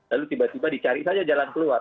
lalu tiba tiba dicari saja jalan keluar